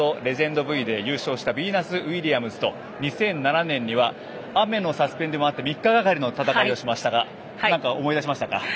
先程、レジェンドＶで優勝したビーナス・ウィリアムズと２００７年には雨のサスペンデッドもあって３日がかりの戦いをしましたが何か思い出しましたか？